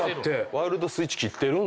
ワイルドスイッチ切ってるんだ。